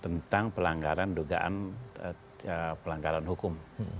tentang pelanggaran dugaan pelanggaran hukum